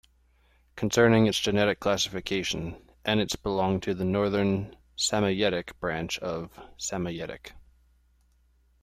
Concerning its genetic classification, Enets belongs to the Northern Samoyedic branch of Samoyedic.